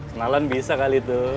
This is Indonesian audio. kenalan bisa kali tuh